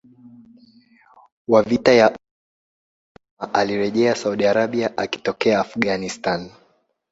wa vita ya Imaan Osama alirejea Saudi Arabia akitokea Afghanistan